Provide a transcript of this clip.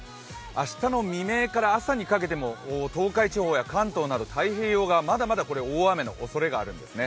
明日の未明から朝にかけても、東海地方や関東など太平洋側、まだまだ大雨のおそれがあるんですね。